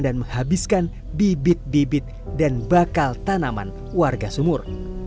dan menghabiskan bibit bibit dan bakal tanaman warga sumur